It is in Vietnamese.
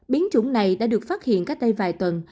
biến chủng này đã được phát hiện cách đây vài tuần